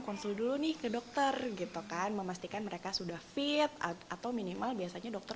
konsul dulu nih ke dokter gitu kan memastikan mereka sudah fit atau minimal biasanya dokter